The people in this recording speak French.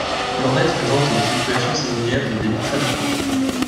L'Ornette présente des fluctuations saisonnières de débit très marquées.